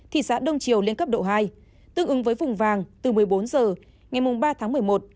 thị xã đông triều lê cấp độ hai tự ứng với phùng vàng từ một mươi bốn giờ ngày ba tháng một mươi một